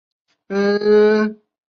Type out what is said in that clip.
赠湖广按察使司佥事。